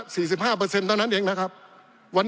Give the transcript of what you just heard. ปี๑เกณฑ์ทหารแสน๒